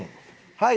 はい！